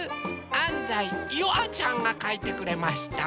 あんざいゆあちゃんがかいてくれました。